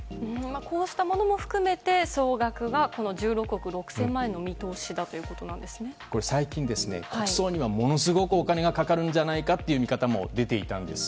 こうしたものも含めて総額が１６億６０００万円の最近、国葬にはものすごくお金がかかるんじゃないかという見方も出ていたんです。